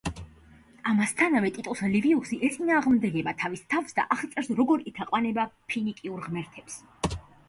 ამასთანავე ტიტუს ლივიუსი ეწინააღმდეგება თავის თავს და აღწერს როგორ ეთაყვანება ფინიკიურ ღმერთებს.